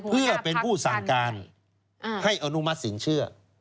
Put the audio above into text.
เพื่อเป็นผู้ศังการให้อโนมัติศิลป์เชื่อ